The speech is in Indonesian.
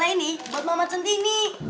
ini buat mama centini